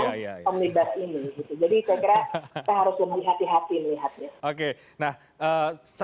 jadi saya kira kita harus juga melihatnya